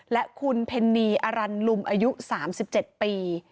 และคุณเพนนีอรันลุมอายุ๓๗ปี